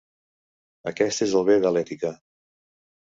Aquest és el bé de l'ètica.